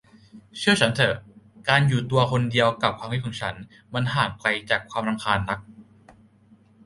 เชื่อฉันเถอะ การอยู่ตัวคนเดียวกับความคิดของฉัน มันห่างไกลจากความรำคาญนัก